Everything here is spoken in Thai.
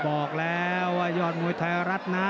บอกแล้วว่ายอดมวยไทยรัฐนะ